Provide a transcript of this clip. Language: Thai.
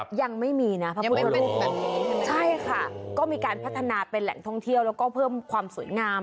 ใช่ค่ะก็มีการพัฒนาเป็นแหล่งท่องเที่ยวแล้วก็เพิ่มความสวยงาม